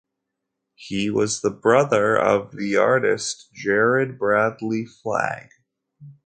He was the brother of the artist Jared Bradley Flagg.